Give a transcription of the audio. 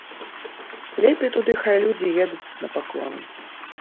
Лепей туды хай людзі едуць на паклон.